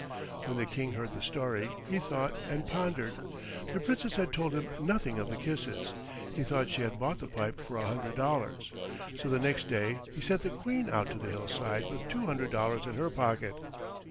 When the King heard the story he thought and pondered. The Princess had told him nothing of the kisses. He thought she had bought the pipe for a hundred dollars, so the next day he sent the Queen out to the hillside with two hundred dollars in her pocket.